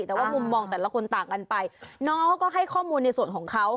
แต่ว่ามุมมองแต่ละคนต่างกันไปน้องเขาก็ให้ข้อมูลในส่วนของเขา